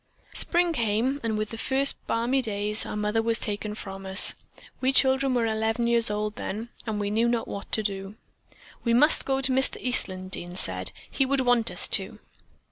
"Spring came and with the first balmy days our mother was taken from us. We children were eleven years old then, and we knew not what to do. "'We must go to Mr. Eastland,' Dean said. 'He would want us to.'